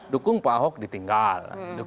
dukung pak ahok ditinggal